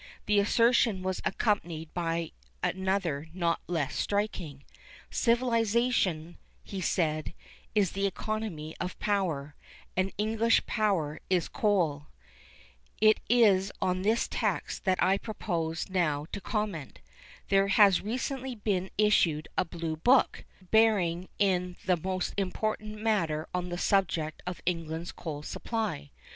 The assertion was accompanied by another not less striking. 'Civilisation,' he said, 'is the economy of power; and English power is coal.' It is on this text that I propose now to comment. There has recently been issued a Blue Book, bearing in the most important manner on the subject of England's coal supply.